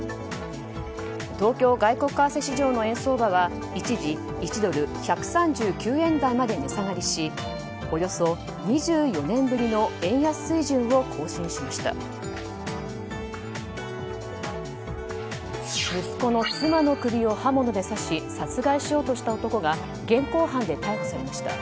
東京外国為替市場の円相場は一時、１ドル＝１３９円台まで値下がりしおよそ２４年ぶりの円安水準を更新しました。